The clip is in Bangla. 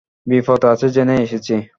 বিপদ আছে জেনেই এসেছি।